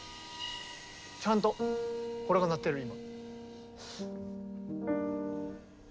ちゃんとこれが鳴ってる今。